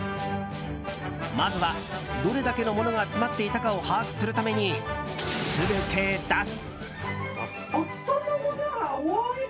まずは、どれだけの物が詰まっていたかを把握するために、全て出す。